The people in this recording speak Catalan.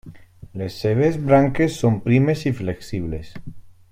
Les seves branques són primes i flexibles.